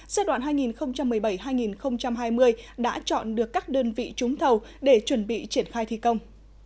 giai đoạn hai nghìn một mươi bảy hai nghìn hai mươi đã chọn được các đơn vị trúng thầu để chuẩn bị triển khai thi công